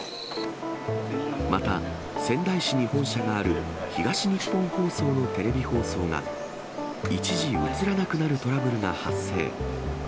また、仙台市に本社がある東日本放送のテレビ放送が、一時映らなくなるトラブルが発生。